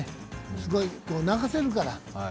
すごい泣かせるから。